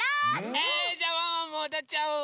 えじゃあワンワンもおどっちゃう！